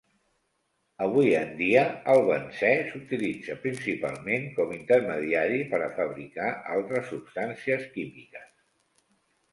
Avui en dia, el benzè s'utilitza principalment com intermediari per a fabricar altres substàncies químiques.